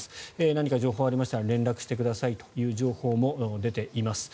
何か情報がありましたら連絡をしてくださいという情報も出ています。